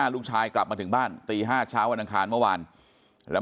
ลูกชายกลับมาถึงบ้านตี๕ช้าวันอันทางคลานเมื่อวานแล้ว